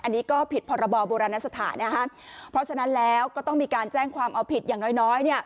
อันนี้ก็ผิดพรบโบราณสถานเพราะฉะนั้นแล้วก็ต้องมีการแจ้งความเอาผิดอย่างน้อย